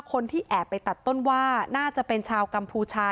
คนที่แอบไปตัดต้นว่าน่าจะเป็นชาวกัมพูชา